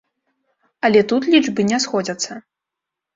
Але тут лічбы не сходзяцца.